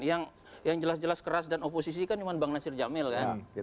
yang jelas jelas keras dan oposisi kan cuma bang nasir jamil kan